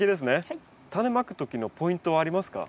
タネまく時のポイントはありますか？